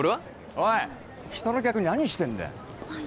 おい人の客に何してんだよあっ